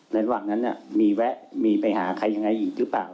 ระหว่างนั้นมีแวะมีไปหาใครยังไงอีกหรือเปล่า